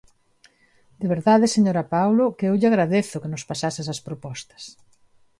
De verdade, señora Paulo, que eu lle agradezo que nos pasase esas propostas.